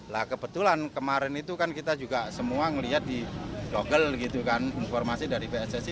nah kebetulan kemarin itu kan kita juga semua ngelihat di lokal gitu kan informasi dari pssi